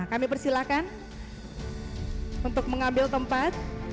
kami persilahkan untuk mengambil tempat